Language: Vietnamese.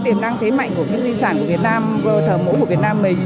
tiềm năng thế mạnh của di sản thờ mẫu của việt nam mình